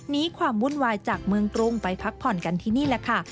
ความวุ่นวายจากเมืองกรุงไปพักผ่อนกันที่นี่แหละค่ะ